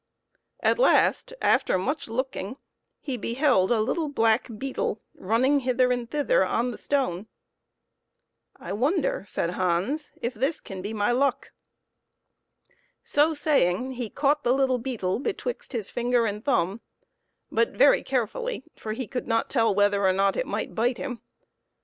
At last, after much looking, he beheld a little black beetle running hither and thither on the stone. " I wonder," said Hans, " if this can be my luck." So saying, he caught the little beetle betwixt his finger and thumb, but very carefully, for he could not tell whether or no it might bite him.